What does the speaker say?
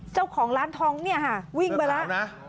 เจ้าของร้านทองเนี่ยค่ะวิ่งไปแล้วนะ